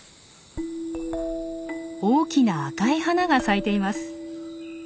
大きな赤い花が咲いています。